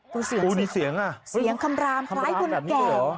ดูสิโอ้นี่เสียงอ่ะเสียงคำรามคล้ายคนแก่